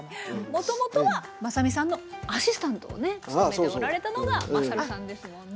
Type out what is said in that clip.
もともとはまさみさんのアシスタントをね務めておられたのがまさるさんですもんね。